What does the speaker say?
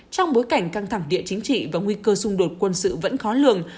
trong bối cảnh căng thẳng địa chính trị và nguy cơ xung đột quân sự vẫn khó lường